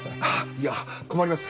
いや困ります。